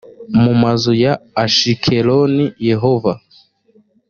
mu mazu ya ashikeloni yehova